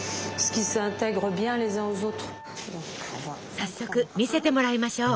早速見せてもらいましょう。